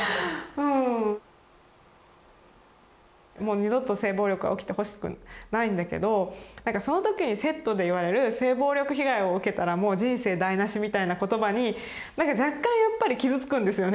二度と性暴力は起きてほしくないんだけどそのときにセットで言われる「性暴力被害を受けたらもう人生台なし」みたいな言葉になんか若干やっぱり傷つくんですよね。